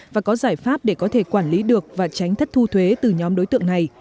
và có giải pháp để có thể quản lý được và tránh thất thu thuế từ nhóm đối tượng này